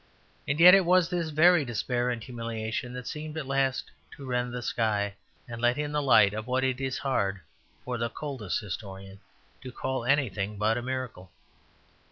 And yet it was this very despair and humiliation that seemed at last to rend the sky, and let in the light of what it is hard for the coldest historian to call anything but a miracle.